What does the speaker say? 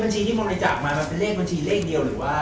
บัญชีที่มองอีกมาเป็นบัญชีเลขเดียวหรือว่า